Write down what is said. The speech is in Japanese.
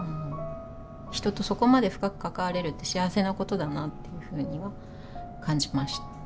人とそこまで深く関われるって幸せなことだなというふうには感じましたね。